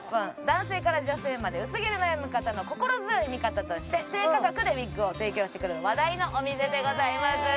男性から女性まで薄毛で悩む方の心強い味方として低価格でウィッグを提供してくれる話題のお店でございます。